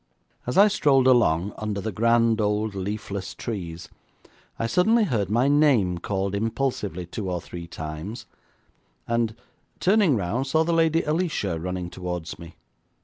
As I strolled along under the grand old leafless trees, I suddenly heard my name called impulsively two or three times, and turning round saw the Lady Alicia running toward me.